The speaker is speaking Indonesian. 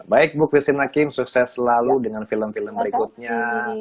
baik bu christine hakim sukses selalu dengan film film berikutnya